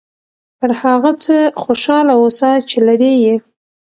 پر هغه څه خوشحاله اوسه چې لرې یې.